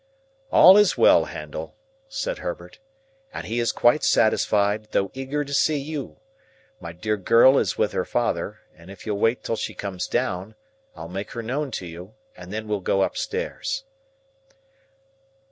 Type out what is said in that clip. "All is well, Handel," said Herbert, "and he is quite satisfied, though eager to see you. My dear girl is with her father; and if you'll wait till she comes down, I'll make you known to her, and then we'll go upstairs.